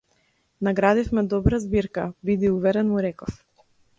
Наградивме добра збирка, биди уверен, му реков.